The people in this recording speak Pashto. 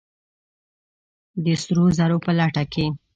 د سرو زرو په لټه کې!